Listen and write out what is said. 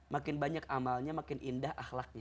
makin banyak amalnya makin indah akhlaknya